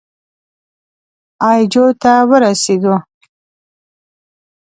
اي جو ته ورسېدو.